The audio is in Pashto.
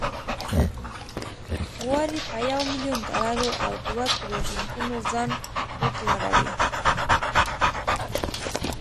غواړي په یو میلیون ډالرو او دوه کروزینګونو ځان وپلوري.